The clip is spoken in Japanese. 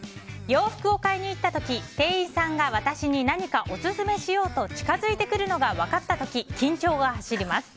洋服を買いに行った時店員さんが私に何かオススメしようと近づいてくるのが分かった時、緊張が走ります。